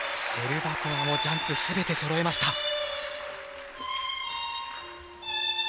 シェルバコワもジャンプを全てそろえました。